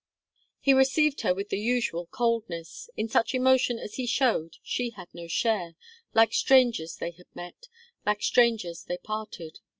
He received her with his usual coldness in such emotion as he showed, she had no share, like strangers they had met like strangers they parted.